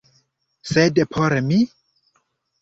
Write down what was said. Sed por mi?